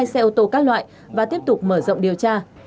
hai mươi hai xe ô tô các loại và tiếp tục mở rộng điều tra